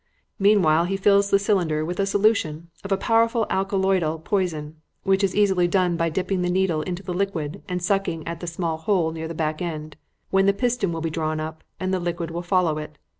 Meanwhile he fills the cylinder with a solution of a powerful alkaloidal poison, which is easily done by dipping the needle into the liquid and sucking at the small hole near the back end, when the piston will be drawn up and the liquid will follow it.